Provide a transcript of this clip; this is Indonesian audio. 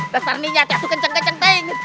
dasar ni nyatnya itu kenceng kenceng teng